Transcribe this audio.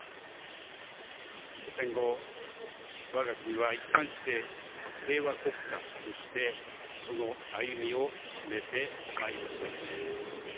戦後、我が国は一貫して平和国家としてその歩みを進めてまいりました。